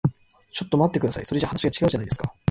ちょっと待ってください。それじゃ話が違うじゃないですか。